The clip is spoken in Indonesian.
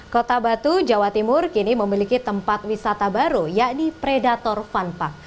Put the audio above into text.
kota batu jawa timur kini memiliki tempat wisata baru yakni predator fun park